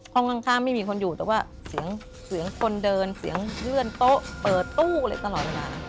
ห้องข้างไม่มีคนอยู่แต่ว่าเสียงคนเดินเสียงเพื่อนโต๊ะเปิดตู้อะไรตลอดเวลา